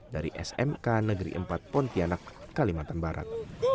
dari smk negeri empat pontianak kalimantan barat